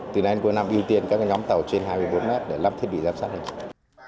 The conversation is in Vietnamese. từ nay đến cuối năm ưu tiên các nhóm tàu trên hai mươi bốn mét để lắp thiết bị giám sát hành trình